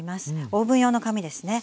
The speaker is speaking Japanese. オーブン用の紙ですね。